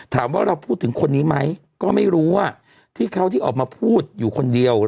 ถามว่าเราพูดถึงคนนี้ไหมก็ไม่รู้ว่าที่เขาที่ออกมาพูดอยู่คนเดียว